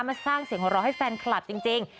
มาสร้างเสียงหัวเราะให้แฟนคลับจริง